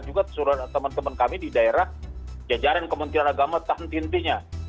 juga teman teman kami di daerah jajaran kementerian agama tahan timpinya